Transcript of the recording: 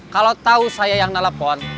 kalau tahu saya yang nelfon